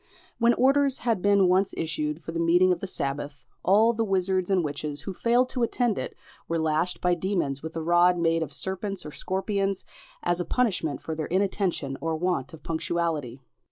When orders had been once issued for the meeting of the sabbath, all the wizards and witches who failed to attend it were lashed by demons with a rod made of serpents or scorpions, as a punishment for their inattention or want of punctuality.